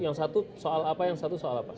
yang satu soal apa yang satu soal apa